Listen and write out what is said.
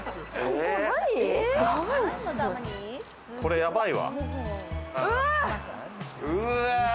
これやばいわ。